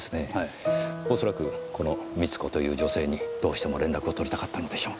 恐らくこの美津子という女性にどうしても連絡を取りたかったのでしょう。